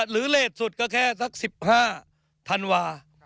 หรือเลสสุดก็แค่สักสิบห้าธันวาคม